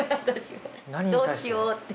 どうしようって。